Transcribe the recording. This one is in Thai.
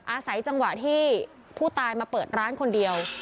อาศัยจังหวะที่ผู้ตายมาเปิดร้านคนเดียว